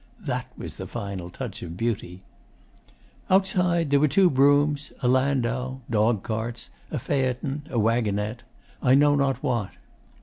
That was the final touch of beauty. 'Outside there were two broughams, a landau, dog carts, a phaeton, a wagonette, I know not what.